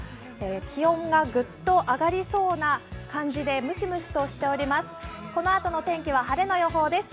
気温がぐっと上がりそうな感じでむしむしとしております。